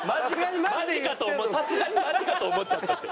「マジかと思ってさすがにマジかと思っちゃった」って。